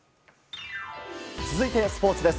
続いてスポーツです。